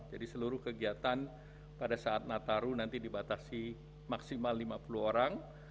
jadi seluruh kegiatan pada saat nataru nanti dibatasi maksimal lima puluh orang